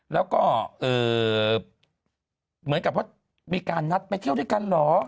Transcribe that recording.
แล้วก็เหมือนกับว่ามีการนัดไปเที่ยวด้วยกันเหรอ